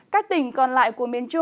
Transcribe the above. các tỉnh còn lại của miền trung